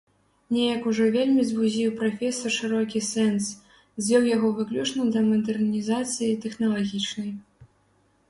Неяк ужо вельмі звузіў прафесар шырокі сэнс, звёў яго выключна да мадэрнізацыі тэхналагічнай.